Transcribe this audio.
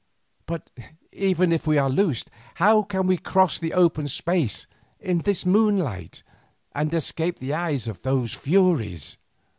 But even if we are loosed, how can we cross the open space in this moonlight and escape the eyes of those furies?"